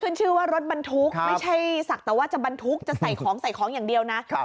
ขึ้นชื่อว่ารถบรรทุกไม่ใช่ศักดิ์แต่ว่าจะบรรทุกจะใส่ของใส่ของอย่างเดียวนะ